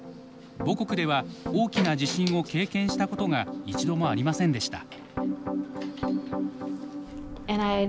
母国では大きな地震を経験したことが一度もありませんでした。